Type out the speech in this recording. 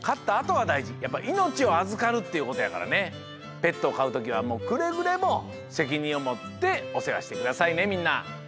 ペットをかうときはもうくれぐれもせきにんをもっておせわしてくださいねみんな。